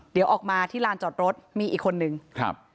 เดี๋ยวออกมาที่ลานจอดรถมีอีกคนนึงครับ